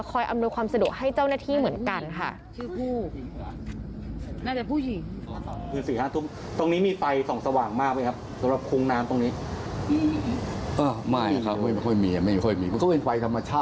อำนวยความสะดวกให้เจ้าหน้าที่เหมือนกันค่ะ